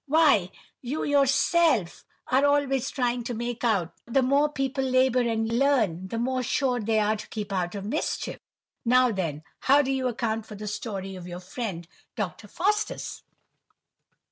Why, you yourself are always trying to make out that the more people labour and learn, the more sure they are to keep out of mischief. Now then, how do you account for the story of your friend Dr. Faustus?"